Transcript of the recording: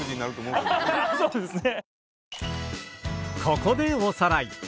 ここでおさらい！